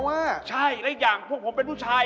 นี่อีกอย่างพวกเราเป็นผู้ชาย